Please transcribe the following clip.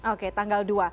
oke tanggal dua